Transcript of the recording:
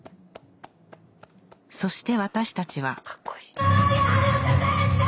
そして私たちは